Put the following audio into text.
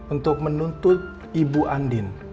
untuk menuntut ibu andin